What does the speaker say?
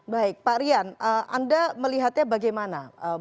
baik pak rian anda melihatnya bagaimana